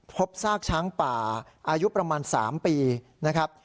พบซากช้างป่าอายุประมาณ๓ปีนะครับ